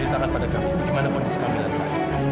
ceritakan pada kami gimana kondisi kamila tadi